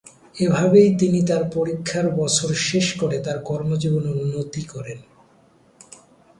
এভাবেই তিনি তার পরীক্ষার বছর শেষ করে তার কর্মজীবনে উন্নতি করেন।